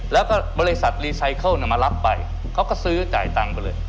แล้วก็บริษัทรีไซเคิลมารับไปเขาก็ซื้อจ่ายตังค์ไปเลย